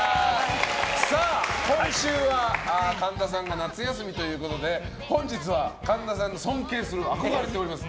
今週は神田さんが夏休みということで本日は、神田さんが尊敬する憧れております